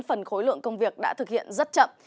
phần khối lượng công việc đã thực hiện rất chậm